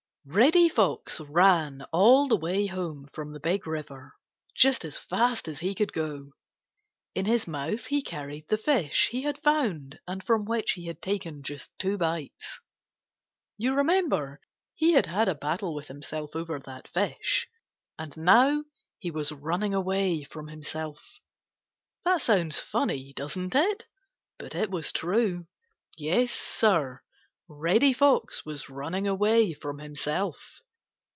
—Old Granny Fox. Reddy Fox ran all the way home from the Big River just as fast as he could go. In his mouth he carried the fish he had found and from which he had taken just two bites. You remember he had had a battle with himself over that fish, and now he was running away from himself. That sounds funny, doesn't it? But it was true. Yes, Sir, Reddy Fox was running away from himself.